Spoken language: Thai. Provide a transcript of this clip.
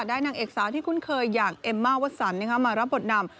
นางเอกสาวที่คุ้นเคยอย่างเอมม่าวสันมารับบทนำ